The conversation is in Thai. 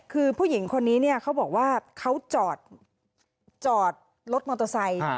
คือผู้หญิงคนนี้เนี่ยเขาบอกว่าเขาจอดรถมอเตอร์ไซค์